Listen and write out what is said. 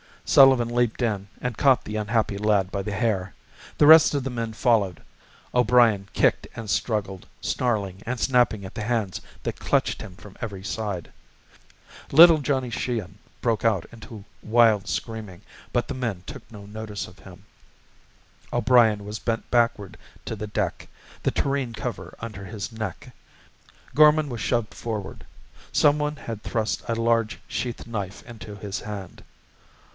Sullivan leaped in and caught the unhappy lad by the hair. The rest of the men followed, O'Brien kicked and struggled, snarling and snapping at the hands that clutched him from every side. Little Johnny Sheehan broke out into wild screaming, but the men took no notice of him. O'Brien was bent backward to the deck, the tureen cover under his neck. Gorman was shoved forward. Some one had thrust a large sheath knife into his hand.